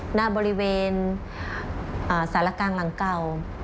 หน้าบริเวณสารกลางหลังเก่า